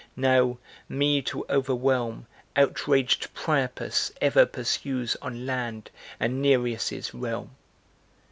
Now, me to overwhelm Outraged Priapus ever pursues on land and Nereus' realm.